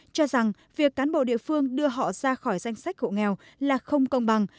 cho rằng việc cán bộ địa phương đưa họ ra khỏi danh sách hộ nghèo là không công bằng